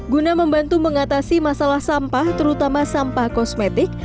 guna membantu mengatasi masalah sampah terutama sampah kosmetik